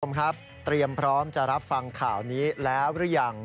คุณผู้ชมครับเตรียมพร้อมจะรับฟังข่าวนี้แล้วหรือยัง